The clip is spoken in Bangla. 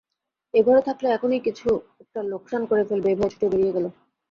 এ ঘরে থাকলে এখনই কিছু একটা লোকসান করে ফেলবে এই ভয়ে ছুটে বেরিয়ে গেল।